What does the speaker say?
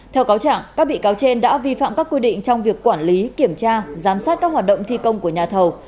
theo cáo trạng các bị cáo trên đã vi phạm các quy định trong việc quản lý kiểm tra giám sát các hoạt động thi công của nhà thầu